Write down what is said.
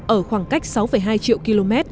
ở khoảng cách sáu hai triệu km